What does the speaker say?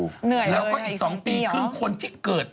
เหนื่อยเลยอีกสองปีหรือแล้วก็อีกสองปีคืนคนที่เกิด